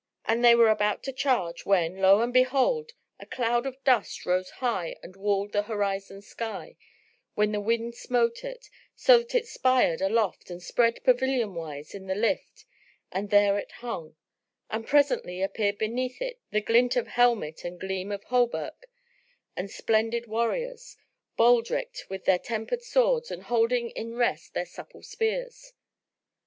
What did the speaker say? And they were about to charge when, lo and behold! a cloud of dust rose high and walled the horizon sky, when the wind smote it, so that it spired aloft and spread pavilion wise in the lift and there it hung; and presently appeared beneath it the glint of helmet and gleam of hauberk and splendid warriors, baldrick'd with their tempered swords and holding in rest their supple spears.